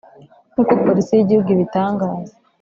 nk’uko Polisi y’igihugu ibitangaza